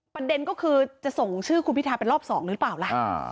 ประเด็นก็คือจะส่งชื่อคุณพิทาเป็นรอบ๒หรือเปล่าล่ะ